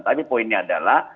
tapi poinnya adalah